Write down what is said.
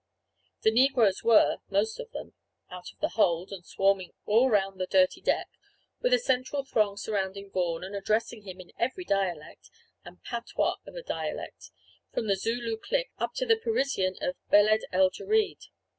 The negroes were, most of them, out of the hold, and swarming all round the dirty deck, with a central throng surrounding Vaughan and addressing him in every dialect, and patois of a dialect, from the Zulu click up to the Parisian of Beledeljereed.